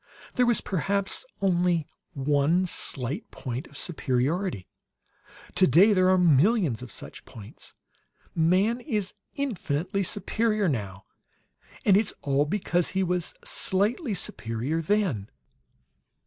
There was perhaps only one slight point of superiority; today there are millions of such points. Man is infinitely superior, now, and it's all because he was slightly superior, then."